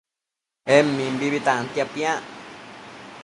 En mimbi tantia piac